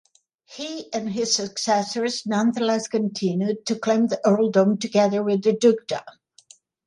He and his successors nonetheless continued to claim the Earldom together with the Dukedom.